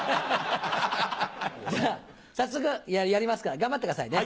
じゃあ早速やりますから頑張ってくださいね。